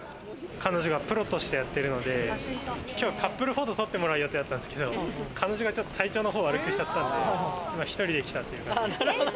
彼女がプロとしてやってるので、今日はカップルフォト撮ってもらう予定だったんですけど、彼女が体調を悪くしちゃったんで、今１人で来たっていう。